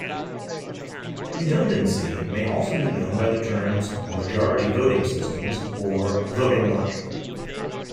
Redundancy may also be known by the terms "majority voting systems" or "voting logic".